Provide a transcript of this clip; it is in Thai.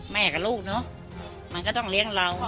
กับลูกเนอะมันก็ต้องเลี้ยงเรา